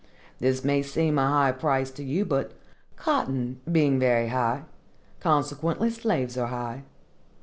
This may seem a high price to you, but, cotton being very high, consequently slaves are high.